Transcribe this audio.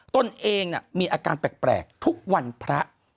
ตนเองมีอาการแปลกทุกวันพระ